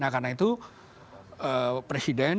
nah karena itu presiden